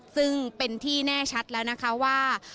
ซึ่งเป็นที่แน่ชัดแล้วนะคะว่า